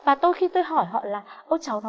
và tôi khi tôi hỏi họ là ôi cháu này